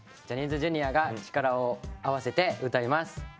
ジャニーズＪｒ．が力を合わせて歌います。